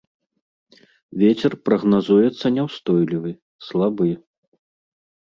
Вецер прагназуецца няўстойлівы, слабы.